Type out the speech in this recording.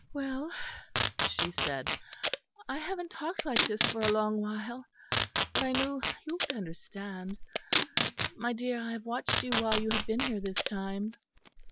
"Well," she said, "I haven't talked like this for a long while; but I knew you would understand. My dear, I have watched you while you have been here this time."